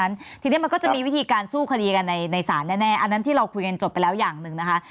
ฉะทีนี้มันก็จะมีวิธีการสู้คดีกันในศาลแน่อันนั้นที่เราคุยกันจบไปแล้วอย่างหนึ่งนะคะ